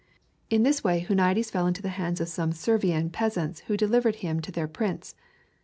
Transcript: In this way Huniades fell into the hands of some Servian peasants who delivered him to their prince.